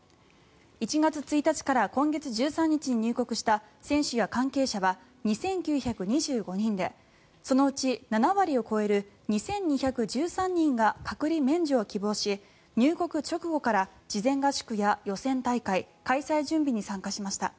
１月１日から今月１３日に入国した選手や関係者は２９２５人でそのうち７割を超える２２１３人が隔離免除を希望し入国直後から事前合宿や予選大会開催準備に参加しました。